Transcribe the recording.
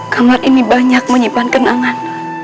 kamar ini banyak menyimpan kenangan